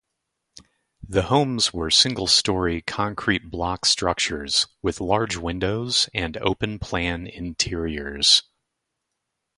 The homes were single-story concrete block structures with large windows and open-plan interiors.